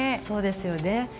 そうですよね。